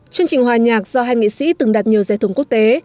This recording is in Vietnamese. chương trình hòa nhạc do hai nghị sĩ từng đạt nhiều giải thưởng quốc tế